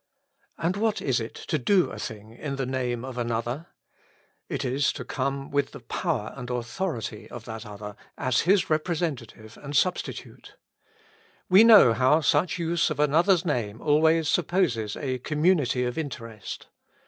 And what is it to do a thing in the name of another ? It is to come with the power and authority of that other, as his representative and substitute. We know how such a use of another's name always supposes a community of interest.